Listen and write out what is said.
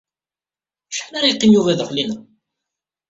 Acḥal ara yeqqim Yuba daxel-inna?